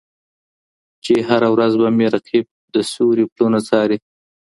چي هره ورځ به مي رقیب د سیوري پلونه څاري